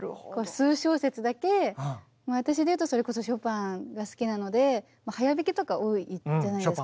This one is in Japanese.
数小節だけ私でいうとそれこそショパンが好きなので速弾きとか多いじゃないですか。